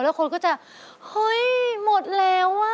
แล้วคนก็จะเฮ้ยหมดแล้วอ่ะ